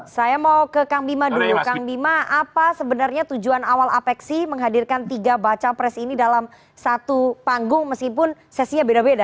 saya mau ke kang bima dulu kang bima apa sebenarnya tujuan awal apeksi menghadirkan tiga baca pres ini dalam satu panggung meskipun sesinya beda beda